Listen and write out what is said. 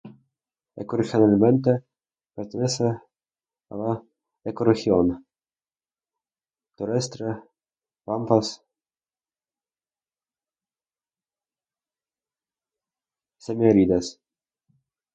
Ecorregionalmente pertenece a la ecorregión terrestre pampas semiáridas.